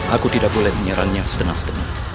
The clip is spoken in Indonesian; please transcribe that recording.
aku tidak boleh menyerangnya setenang tenang